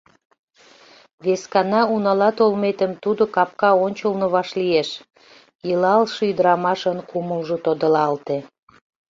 Вескана унала толметым тудо капка ончылно вашлиеш, — илалше ӱдырамашын кумылжо тодылалте.